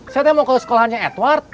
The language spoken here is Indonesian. saya mau ke sekolahnya edward